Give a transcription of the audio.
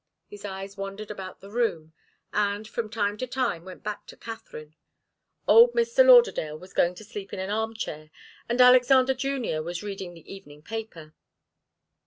His eyes wandered about the room, and, from time to time, went back to Katharine. Old Mr. Lauderdale was going to sleep in an arm chair, and Alexander Junior was reading the evening paper.